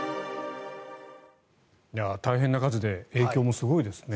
大変な数で影響もすごいですね。